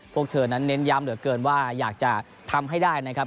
พวกเธอนั้นเน้นย้ำเหลือเกินว่าอยากจะทำให้ได้นะครับ